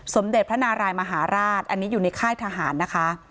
สมเด็จพระนารายมหาราชอันนี้อยู่ในค่ายทหารนะคะ